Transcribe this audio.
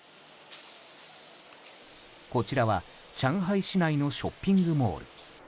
こちらは、上海市内のショッピングモール。